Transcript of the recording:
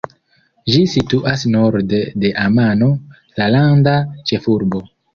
Ĝi situas norde de Amano, la landa ĉefurbo.